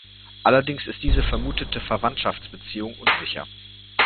Allerdings ist diese vermutete Verwandtschaftsbeziehung unsicher.